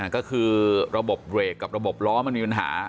ก็คือระบบเบรกกับระบบล้อมันมีปัญหา